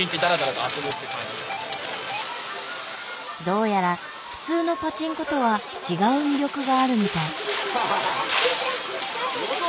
どうやら普通のパチンコとは違う魅力があるみたい。